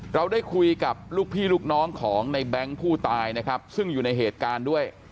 เราได้คุยกับลูกพี่ลูกน้องของในแบงค์ผู้ตายนะครับซึ่งอยู่ในเหตุการณ์ด้วย